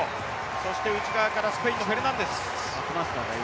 そして内側からスペインのフェルナンデス。